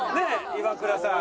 イワクラさん。